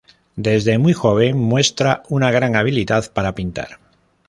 Desde muy joven muestra una gran habilidad para pintar.